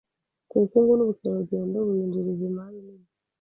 kubukungu n’ubukerarugendo buyinjiriza imari nini.